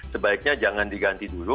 sebaiknya jangan diganti dulu